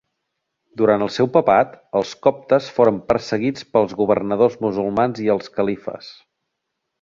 Durant el seu papat, els coptes foren perseguits pels governadors musulmans i els califes.